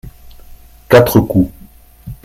Quatre coups.